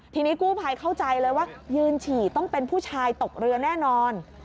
ทีนี้กู้ภัยเข้าใจเลยว่ายืนฉี่ต้องเป็นผู้ชายตกเรือแน่นอน